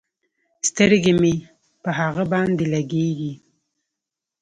سترګې مې په هغه باندې لګېږي.